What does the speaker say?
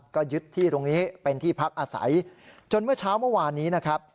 ก็ยึดที่ตรงนี้เป็นที่พักอาศัยจนเมื่อเช้าเมื่อวานนี้นะครับ